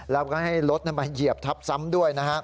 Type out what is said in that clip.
แล้วก็ให้รถมาเหยียบทับซ้ำด้วยนะฮะ